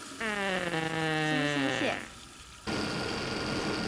新兴线